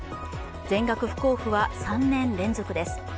全額不交付は３年連続です。